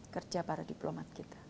kerja para diplomat kita